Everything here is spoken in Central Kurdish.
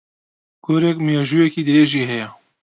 گورگ مێژوویییەکی درێژی ھەیە